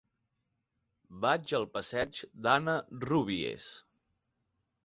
Vaig al passeig d'Anna Rúbies.